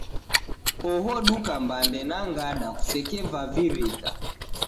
Oho duka mbande na gada kusekevavirika.